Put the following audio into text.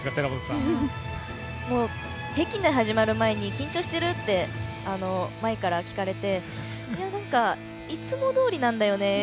もう、北京で始まる前に、緊張してる？って茉愛から聞かれてなんか、いつもどおりなんだよね。